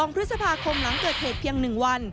๒พฤษภาคมหลังเกิดเหตุเพียง๑วัน